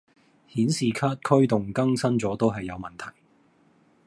顯示卡驅動更新左都係有問題